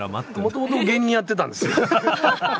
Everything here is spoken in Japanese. もともと芸人やってたんです。